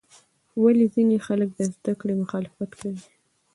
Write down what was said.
ولې ځینې خلک د زده کړې مخالفت کوي؟